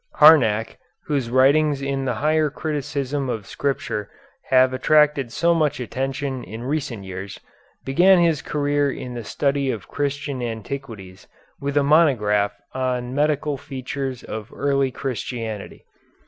Harnack, whose writings in the higher criticism of Scripture have attracted so much attention in recent years, began his career in the study of Christian antiquities with a monograph on Medical Features of Early Christianity.